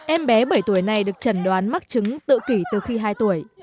em bé bảy tuổi này được chẩn đoán mắc chứng tự kỷ từ khi hai tuổi